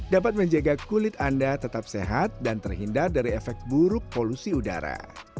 dapat menjaga kulit anda tetap sehat dan terhindar dari efek buruk polusi udara